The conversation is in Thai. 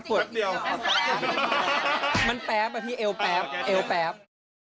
แป๊บอ่ะพี่แอวก็แป๊บ